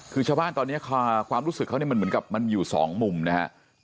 คือชาวบ้านตอนนี้ความรู้สึกเขาเนี่ยมันเหมือนกับมันอยู่สองมุมนะครับ